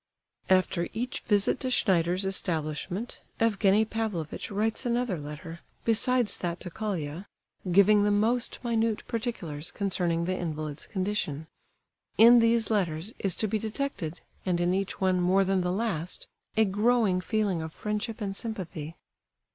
After each visit to Schneider's establishment, Evgenie Pavlovitch writes another letter, besides that to Colia, giving the most minute particulars concerning the invalid's condition. In these letters is to be detected, and in each one more than the last, a growing feeling of friendship and sympathy.